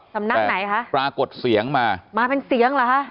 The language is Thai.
สำนักไหนคะปรากฏเสียงมามาเป็นเสียงเหรอคะ